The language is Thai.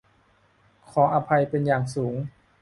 ขออภัยเป็นอย่างสูง